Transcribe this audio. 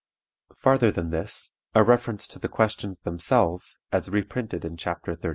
Farther than this: a reference to the questions themselves (as reprinted in chapter XXXII.)